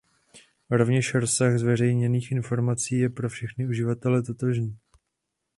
Rovněž rozsah zveřejněných informací je pro všechny uživatele totožný.